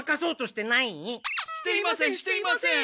していませんしていません！